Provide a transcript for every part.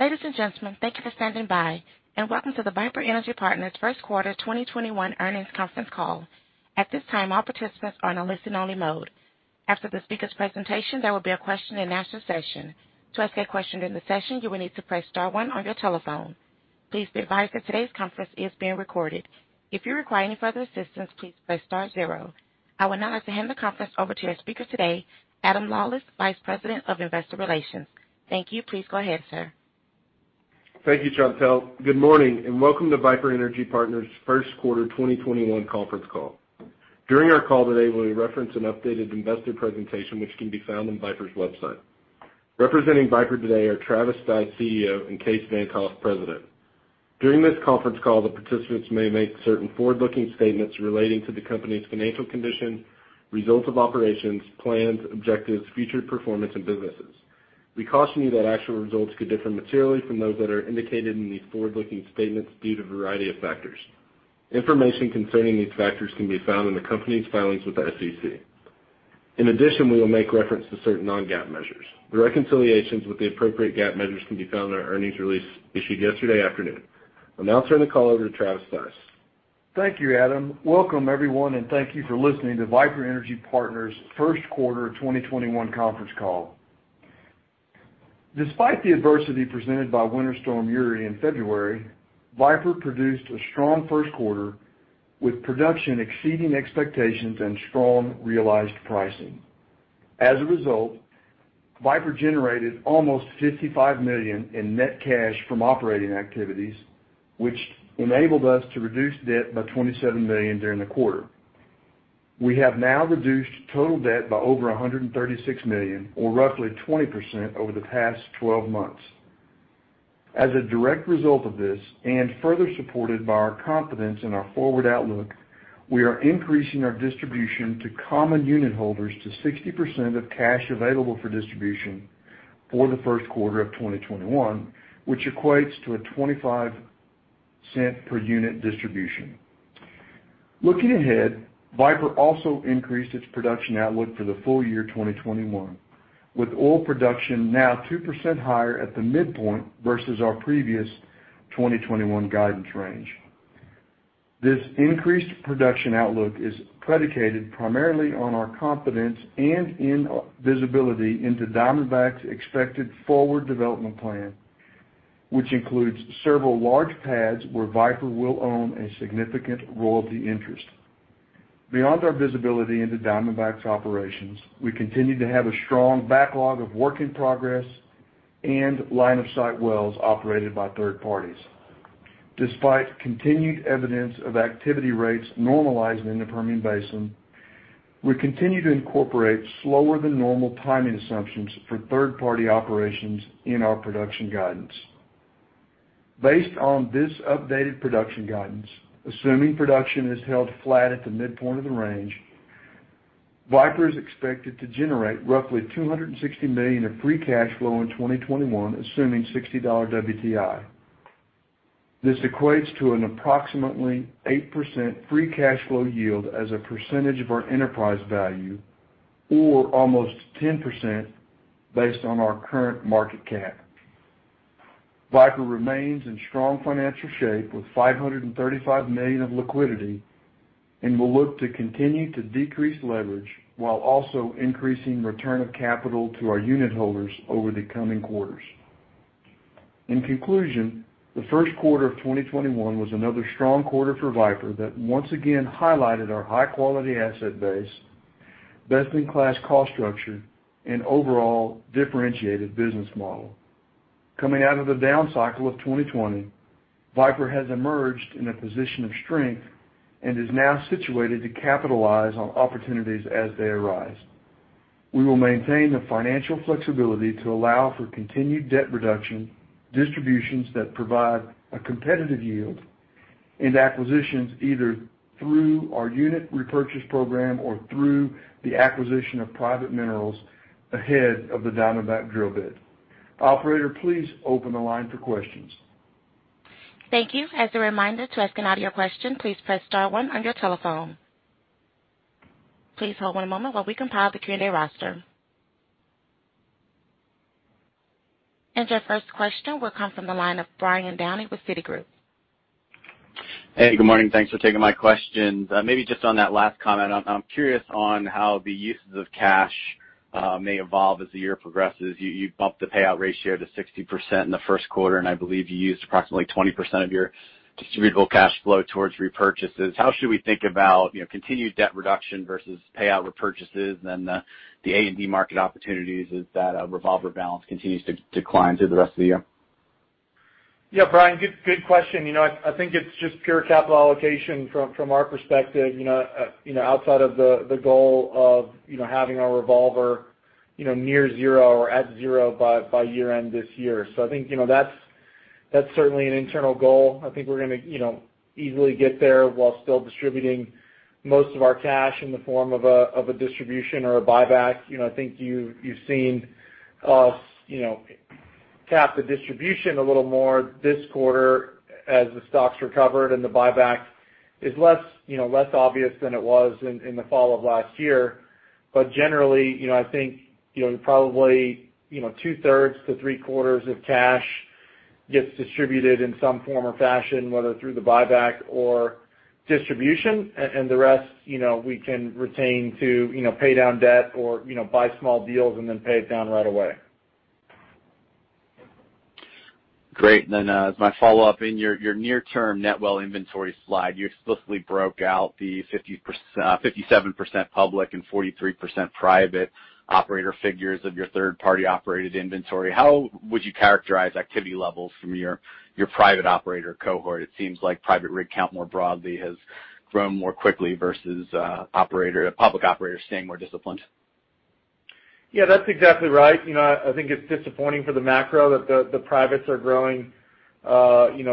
Ladies and gentlemen, thank you for standing by, and welcome to the Viper Energy Partners first quarter 2021 earnings conference call. At this time, all participants are in a listen-only mode. After the speakers' presentation, there will be a question and answer session. To ask a question in the session, you will need to press star one on your telephone. Please be advised that today's conference is being recorded. If you require any further assistance, please press star zero. I would now like to hand the conference over to our speaker today, Adam Lawlis, Vice President of Investor Relations. Thank you. Please go ahead, sir. Thank you, Chantelle. Good morning, and welcome to Viper Energy Partners' First Quarter 2021 Conference Call. During our call today, we'll reference an updated investor presentation which can be found on Viper's website. Representing Viper today are Travis Stice, CEO, and Kaes Van't Hof, President. During this conference call, the participants may make certain forward-looking statements relating to the company's financial condition, results of operations, plans, objectives, future performance, and businesses. We caution you that actual results could differ materially from those that are indicated in these forward-looking statements due to a variety of factors. Information concerning these factors can be found in the company's filings with the SEC. In addition, we will make reference to certain non-GAAP measures. The reconciliations with the appropriate GAAP measures can be found in our earnings release issued yesterday afternoon. I'll now turn the call over to Travis Stice. Thank you, Adam. Welcome everyone, and thank you for listening to Viper Energy Partners' first quarter 2021 conference call. Despite the adversity presented by Winter Storm Uri in February, Viper produced a strong first quarter, with production exceeding expectations and strong realized pricing. As a result, Viper generated almost $55 million in net cash from operating activities, which enabled us to reduce debt by $27 million during the quarter. We have now reduced total debt by over $136 million, or roughly 20% over the past 12 months. As a direct result of this, and further supported by our confidence in our forward outlook, we are increasing our distribution to common unit holders to 60% of cash available for distribution for the first quarter of 2021, which equates to a $0.25 per unit distribution. Looking ahead, Viper also increased its production outlook for the full year 2021, with oil production now 2% higher at the midpoint versus our previous 2021 guidance range. This increased production outlook is predicated primarily on our confidence and in visibility into Diamondback's expected forward development plan, which includes several large pads where Viper will own a significant royalty interest. Beyond our visibility into Diamondback's operations, we continue to have a strong backlog of work in progress and line of sight wells operated by third parties. Despite continued evidence of activity rates normalizing in the Permian Basin, we continue to incorporate slower than normal timing assumptions for third-party operations in our production guidance. Based on this updated production guidance, assuming production is held flat at the midpoint of the range, Viper is expected to generate roughly $260 million of free cash flow in 2021, assuming $60 WTI. This equates to an approximately 8% free cash flow yield as a percentage of our enterprise value, or almost 10% based on our current market cap. Viper remains in strong financial shape with $535 million of liquidity and will look to continue to decrease leverage while also increasing return of capital to our unit holders over the coming quarters. In conclusion, the first quarter of 2021 was another strong quarter for Viper that once again highlighted our high-quality asset base, best-in-class cost structure, and overall differentiated business model. Coming out of the down cycle of 2020, Viper has emerged in a position of strength and is now situated to capitalize on opportunities as they arise. We will maintain the financial flexibility to allow for continued debt reduction, distributions that provide a competitive yield, and acquisitions either through our unit repurchase program or through the acquisition of private minerals ahead of the Diamondback drill bit. Operator, please open the line for questions. Thank you. As a reminder, to ask an audio question, please press star one on your telephone. Please hold one moment while we compile the Q&A roster. Your first question will come from the line of Brian Downey with Citigroup. Hey, good morning. Thanks for taking my questions. Maybe just on that last comment, I'm curious on how the uses of cash may evolve as the year progresses. You bumped the payout ratio to 60% in the first quarter, and I believe you used approximately 20% of your distributable cash flow towards repurchases. How should we think about continued debt reduction versus payout repurchases and the A&D market opportunities as that revolver balance continues to decline through the rest of the year? Yeah, Brian, good question. I think it's just pure capital allocation from our perspective, outside of the goal of having our revolver near zero or at zero by year-end this year. I think that's certainly an internal goal. I think we're going to easily get there while still distributing most of our cash in the form of a distribution or a buyback. I think you've seen us cap the distribution a little more this quarter as the stocks recovered and the buyback is less obvious than it was in the fall of last year. Generally, I think probably two-thirds to three-quarters of cash gets distributed in some form or fashion, whether through the buyback or distribution, and the rest we can retain to pay down debt or buy small deals and then pay it down right away. Great. As my follow-up, in your near-term net well inventory slide, you explicitly broke out the 57% public and 43% private operator figures of your third-party operated inventory. How would you characterize activity levels from your private operator cohort? It seems like private rig count more broadly has grown more quickly versus public operators staying more disciplined. Yeah, that's exactly right. I think it's disappointing for the macro that the privates are growing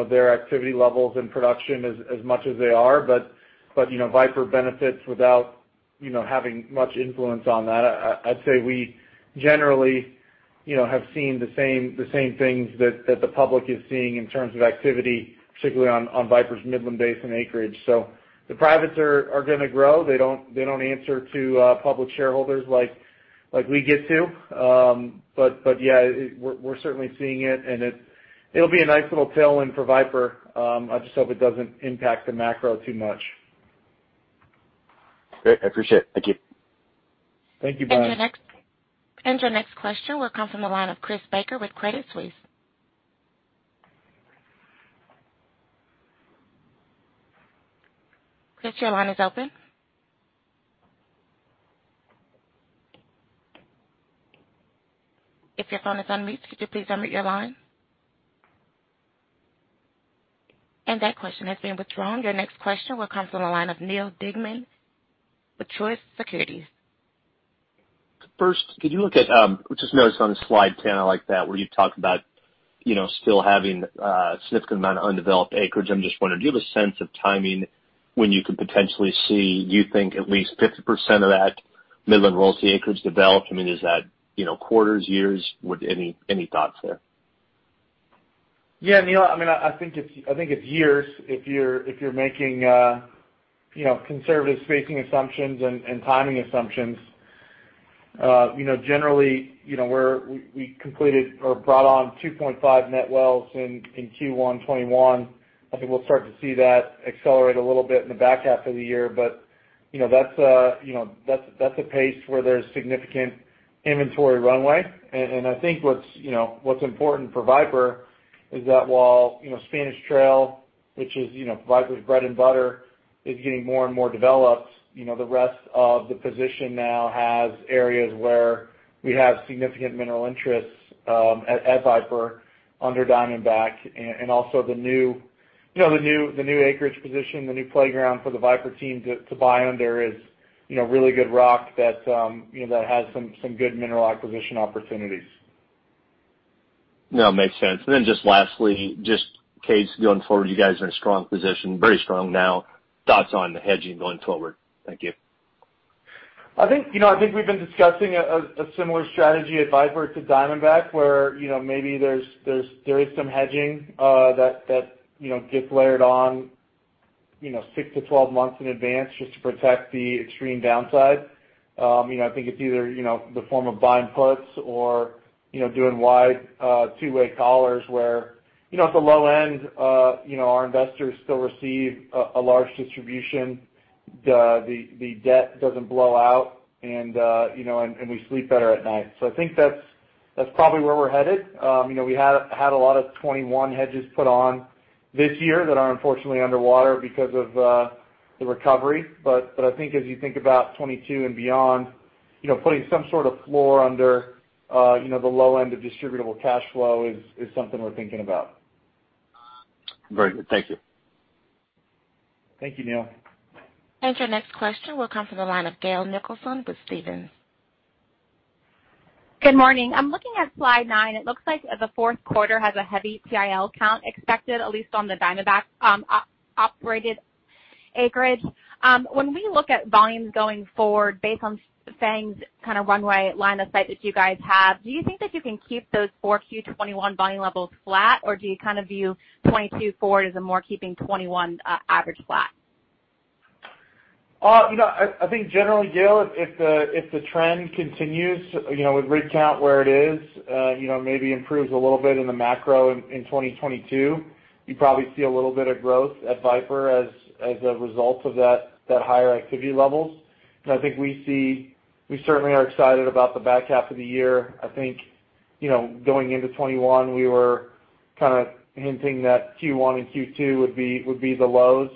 their activity levels and production as much as they are. Viper benefits without having much influence on that. I'd say we generally have seen the same things that the public is seeing in terms of activity, particularly on Viper's Midland Basin acreage. The privates are going to grow. They don't answer to public shareholders like we get to. Yeah, we're certainly seeing it, and it'll be a nice little tailwind for Viper. I just hope it doesn't impact the macro too much. Great. I appreciate it. Thank you. Thank you, Brian. Your next question will come from the line of Chris Baker with Credit Suisse. Chris, your line is open. That question has been withdrawn. Your next question will come from the line of Neal Dingmann with Truist Securities. First, just noticed on slide 10, I like that, where you talk about still having a significant amount of undeveloped acreage. I'm just wondering, do you have a sense of timing when you could potentially see, you think, at least 50% of that Midland Royalty acreage developed? I mean, is that quarters, years? Any thoughts there? Yeah, Neal, I think it's years if you're making conservative spacing assumptions and timing assumptions. Generally, we completed or brought on 2.5 net wells in Q1 2021. I think we'll start to see that accelerate a little bit in the back half of the year. That's a pace where there's significant inventory runway. I think what's important for Viper is that while Spanish Trail, which is Viper's bread and butter, is getting more and more developed, the rest of the position now has areas where we have significant mineral interests at Viper under Diamondback, and also the new acreage position, the new playground for the Viper team to buy under is really good rock that has some good mineral acquisition opportunities. No, makes sense. Just lastly, just in case going forward, you guys are in a strong position, very strong now, thoughts on the hedging going forward? Thank you. I think we've been discussing a similar strategy at Viper to Diamondback, where maybe there is some hedging that gets layered on six to 12 months in advance just to protect the extreme downside. I think it's either the form of buying puts or doing wide two-way collars where, at the low end, our investors still receive a large distribution, the debt doesn't blow out, and we sleep better at night. I think that's probably where we're headed. We had a lot of 2021 hedges put on this year that are unfortunately underwater because of the recovery. I think as you think about 2022 and beyond, putting some sort of floor under the low end of distributable cash flow is something we're thinking about. Very good. Thank you. Thank you, Neal. Your next question will come from the line of Gail Nicholson with Stephens. Good morning. I'm looking at slide nine. It looks like the fourth quarter has a heavy POP count expected, at least on the Diamondback operated acreage. When we look at volumes going forward, based on FANG's kind of runway line of sight that you guys have, do you think that you can keep those 4Q 2021 volume levels flat, or do you kind of view 2022 forward as a more keeping 2021 average flat? I think generally, Gail, if the trend continues with rig count where it is, maybe improves a little bit in the macro in 2022, you probably see a little bit of growth at Viper as a result of that higher activity levels. I think we certainly are excited about the back half of the year. I think, going into 2021, we were kind of hinting that Q1 and Q2 would be the lows,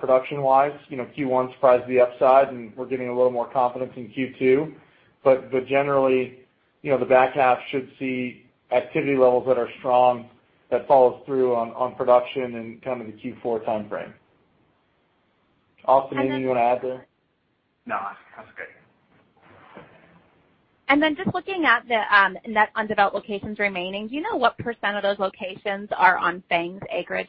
production-wise. Q1 surprised to the upside, and we're getting a little more confidence in Q2. Generally, the back half should see activity levels that are strong, that follow through on production in kind of the Q4 timeframe. Austen, anything you want to add there? No, that's good. Just looking at the net undeveloped locations remaining, do you know what percent of those locations are on FANG's acreage?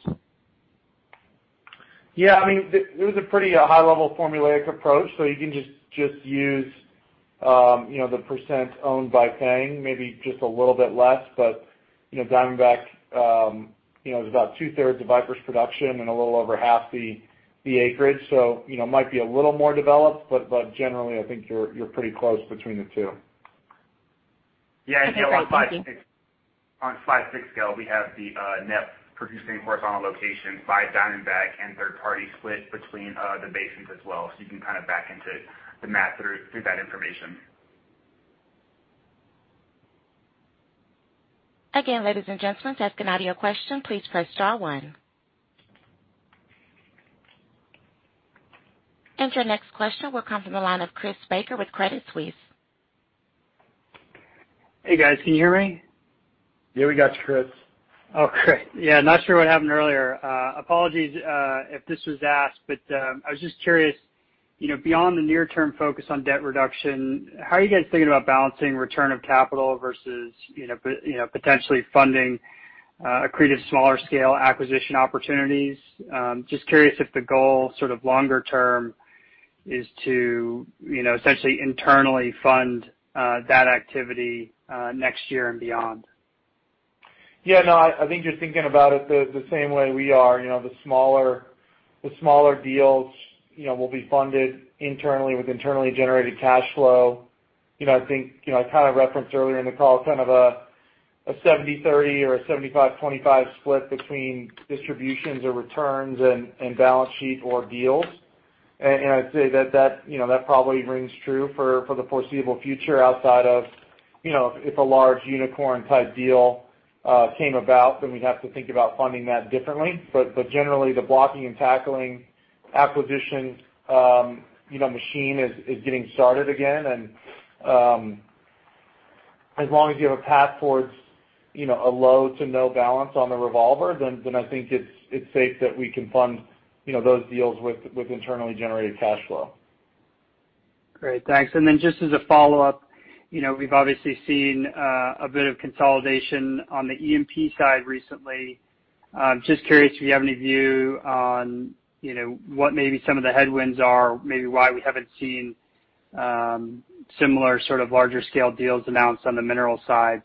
It was a pretty high-level formulaic approach, so you can just use the percent owned by FANG, maybe just a little bit less, but Diamondback is about two-thirds of Viper's production and a little over half the acreage. Might be a little more developed, but generally I think you're pretty close between the two. On slide six, Gail, we have the net producing horizontal location by Diamondback and third party split between the basins as well. You can kind of back into the math through that information. Again, ladies and gentlemen, to ask an audio question, please press star one. Your next question will come from the line of Chris Baker with Credit Suisse. Hey, guys. Can you hear me? Yeah, we got you, Chris. Okay. Yeah, not sure what happened earlier. Apologies if this was asked. I was just curious, beyond the near term focus on debt reduction, how are you guys thinking about balancing return of capital versus potentially funding accreted smaller scale acquisition opportunities? Just curious if the goal sort of longer term is to essentially internally fund that activity next year and beyond? Yeah, no, I think you're thinking about it the same way we are. The smaller deals will be funded internally with internally generated cash flow. I think I kind of referenced earlier in the call kind of a 70/30 or a 75/25 split between distributions or returns and balance sheet or deals. I'd say that probably rings true for the foreseeable future outside of if a large unicorn type deal came about, then we'd have to think about funding that differently. Generally the blocking and tackling acquisition machine is getting started again. As long as you have a path towards a low to no balance on the revolver, then I think it's safe that we can fund those deals with internally generated cash flow. Great, thanks. Then just as a follow-up, we've obviously seen a bit of consolidation on the E&P side recently. Just curious if you have any view on what maybe some of the headwinds are, maybe why we haven't seen similar sort of larger scale deals announced on the mineral side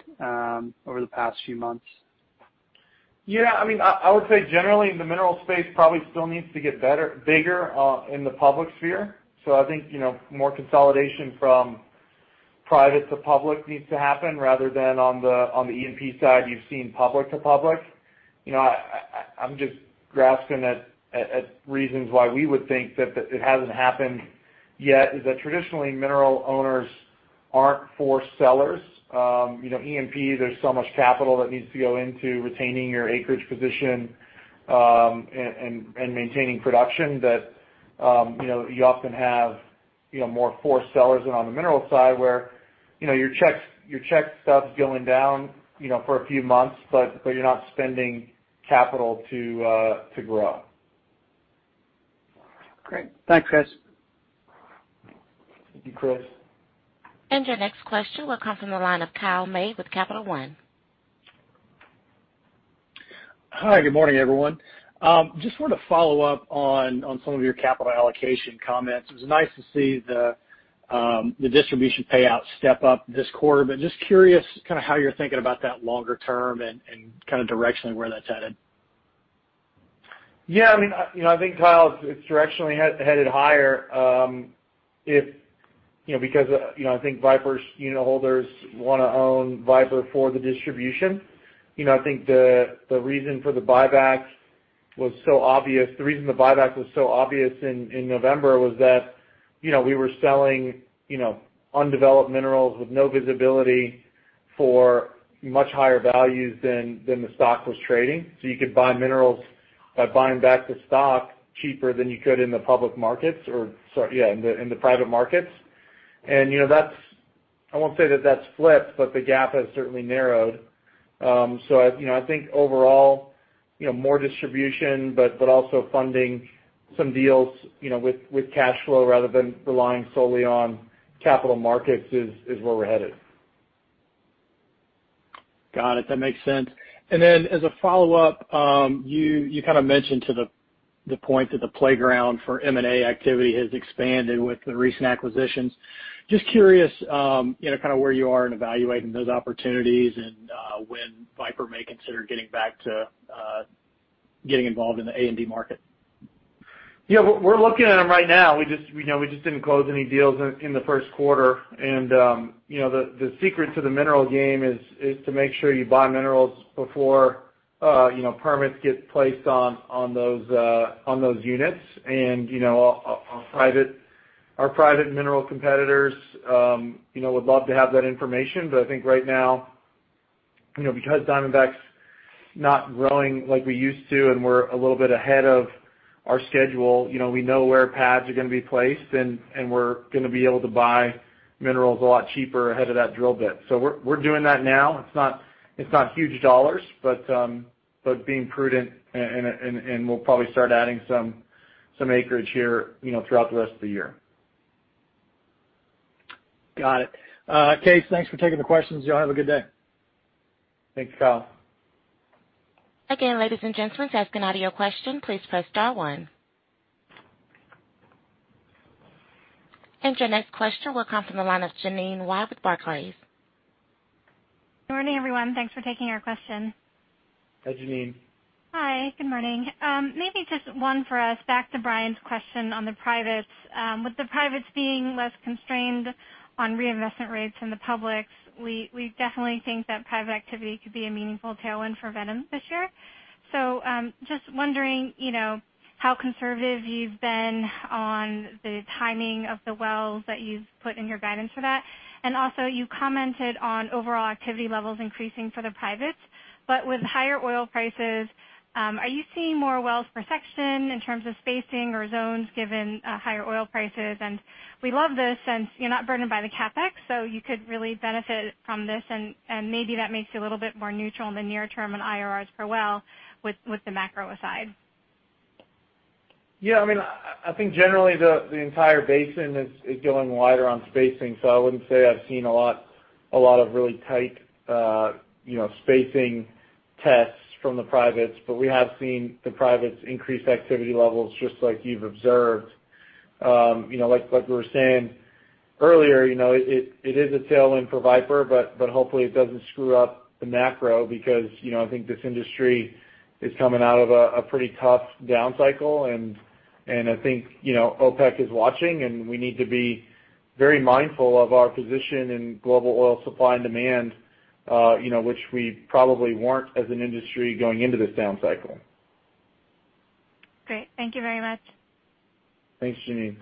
over the past few months. Yeah, I would say generally the mineral space probably still needs to get bigger in the public sphere. I think more consolidation from private to public needs to happen rather than on the E&P side, you've seen public to public. I'm just grasping at reasons why we would think that it hasn't happened yet, is that traditionally mineral owners aren't for sellers. E&P, there's so much capital that needs to go into retaining your acreage position and maintaining production that you often have more for sellers than on the mineral side where your check stuff's going down for a few months, but you're not spending capital to grow. Great. Thanks, Kaes. Thank you, Chris. Your next question will come from the line of Kyle May with Capital One. Hi, good morning, everyone. Just wanted to follow up on some of your capital allocation comments. It was nice to see the distribution payout step up this quarter, but just curious kind of how you're thinking about that longer term and kind of directionally where that's headed? I think Kyle, it's directionally headed higher because I think Viper's unitholders want to own Viper for the distribution. I think the reason the buyback was so obvious in November was that we were selling undeveloped minerals with no visibility for much higher values than the stock was trading. You could buy minerals by buying back the stock cheaper than you could in the private markets. I won't say that that's flipped, but the gap has certainly narrowed. I think overall more distribution, but also funding some deals with cash flow rather than relying solely on capital markets is where we're headed. Got it. That makes sense. As a follow-up, you kind of mentioned to the point that the playground for M&A activity has expanded with the recent acquisitions. Just curious kind of where you are in evaluating those opportunities and when Viper may consider getting back to getting involved in the A&D market. Yeah, we're looking at them right now. We just didn't close any deals in the first quarter. The secret to the mineral game is to make sure you buy minerals before permits get placed on those units and our private mineral competitors would love to have that information. I think right now, because Diamondback's not growing like we used to, and we're a little bit ahead of our schedule, we know where pads are going to be placed, and we're going to be able to buy minerals a lot cheaper ahead of that drill bit. We're doing that now. It's not huge dollars, but being prudent, and we'll probably start adding some acreage here throughout the rest of the year. Got it. Kaes, thanks for taking the questions. You all have a good day. Thanks, Kyle. Your next question will come from the line of Jeanine Wai with Barclays. Good morning, everyone. Thanks for taking our question. Hi, Jeanine. Hi, good morning. Maybe just one for us, back to Brian's question on the privates. With the privates being less constrained on reinvestment rates in the publics, we definitely think that private activity could be a meaningful tailwind for Viper this year. Just wondering how conservative you've been on the timing of the wells that you've put in your guidance for that. Also, you commented on overall activity levels increasing for the privates, but with higher oil prices, are you seeing more wells per section in terms of spacing or zones given higher oil prices? We love this since you're not burdened by the CapEx, so you could really benefit from this, and maybe that makes you a little bit more neutral in the near term on IRRs per well with the macro aside. I think generally the entire basin is going wider on spacing. I wouldn't say I've seen a lot of really tight spacing tests from the privates, but we have seen the privates increase activity levels just like you've observed. Like we were saying earlier, it is a tailwind for Viper, but hopefully it doesn't screw up the macro because I think this industry is coming out of a pretty tough down cycle, and I think OPEC is watching, and we need to be very mindful of our position in global oil supply and demand which we probably weren't as an industry going into this down cycle. Great. Thank you very much. Thanks, Jeanine.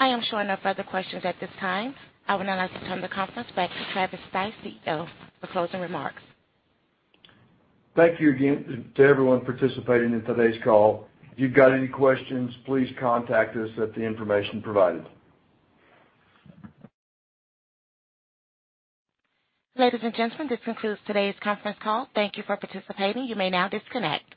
I am showing no further questions at this time. I would now like to turn the conference back to Travis Stice, CEO, for closing remarks. Thank you again to everyone participating in today's call. If you've got any questions, please contact us at the information provided. Ladies and gentlemen, this concludes today's conference call. Thank you for participating. You may now disconnect.